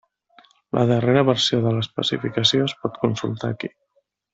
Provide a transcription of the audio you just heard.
La darrera versió de l'especificació es pot consultar aquí.